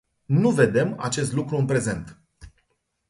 Nu vedem acest lucru în prezent.